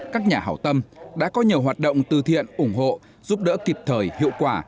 các nhà hào tâm đã có nhiều hoạt động từ thiện ủng hộ giúp đỡ kịp thời hiệu quả